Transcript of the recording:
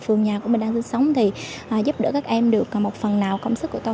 phường nhà của mình đang sinh sống thì giúp đỡ các em được một phần nào công sức của tôi